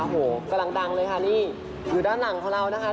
โอ้โหกำลังดังเลยค่ะนี่อยู่ด้านหลังของเรานะคะ